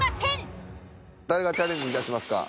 誰がチャレンジいたしますか。